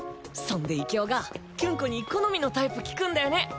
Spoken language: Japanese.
そんでイケ男がキュン子に好みのタイプ聞くんだよね。